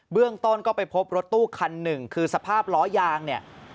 เรื่องต้นก็ไปพบรถตู้คันหนึ่งคือสภาพล้อยางเนี่ย